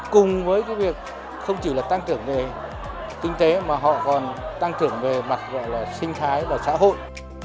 cùng với việc không chỉ là tăng trưởng về kinh tế mà họ còn tăng trưởng về mặt sinh thái và xã hội